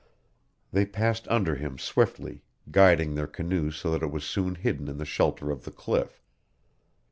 They passed under him swiftly, guiding their canoe so that it was soon hidden in the shelter of the cliff.